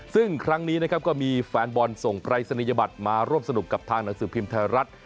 ซึ่งครั้งนี้นะครับก็มีแฟนบอลส่งปรายศนียบัตรมาร่วมสนุกกับทางหนังสือพิมพ์ไทยรัฐ